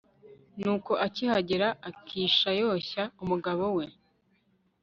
nuko akihagera, akisha yoshya umugabo we